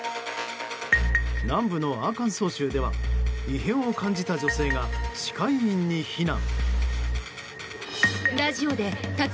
南部のアーカンソー州では異変を感じた女性が歯科医院に避難。